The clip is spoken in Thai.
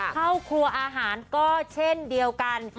เข้าครัวอาหารก็เช่นเดียวกัน